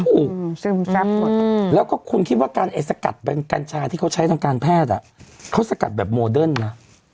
ซึมซับหมดแล้วก็คุณคิดว่าการไอ้สกัดเป็นกัญชาที่เขาใช้ทางการแพทย์เขาสกัดแบบโมเดิร์นนะ